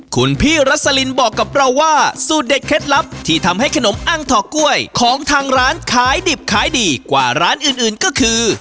คุณพี่รัสลินบอกกับเราว่าสูตรเด็ดเคล็ดลับที่ทำให้ขนมอ้างถอกกล้วยของทางร้านขายดิบขายดีกว่าร้านอื่นก็คือ